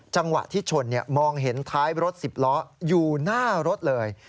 จังหวะที่ชนมองเห็นท้ายรถ๑๐ล้ออยู่หน้ารถเลย